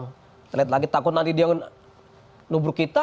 saya liat lagi takut nanti dia nubur kita